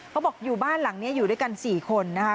เขาบอกอยู่บ้านหลังนี้อยู่ด้วยกัน๔คนนะคะ